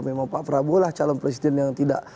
memang pak prabowo lah calon presiden yang tidak